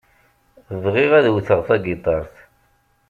Bɣiɣ ad wteɣ tagiṭart.